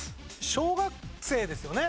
小学生ですよね。